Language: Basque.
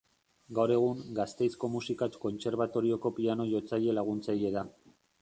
Gaur egun, Gasteizko Musika Kontserbatorioko piano-jotzaile laguntzaile da.